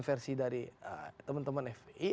versi dari teman teman fpi